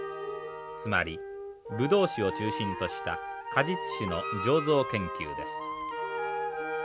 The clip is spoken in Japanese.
つまりブドウ酒を中心とした果実酒の醸造研究です。